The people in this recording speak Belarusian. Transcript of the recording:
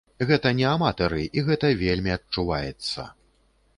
Гэта не аматары, і гэта вельмі адчуваецца.